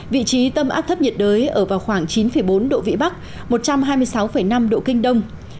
vị trí tâm áp thấp nhiệt đới ở vào khoảng chín bốn độ vĩ bắc một trăm hai mươi sáu năm độ kinh đông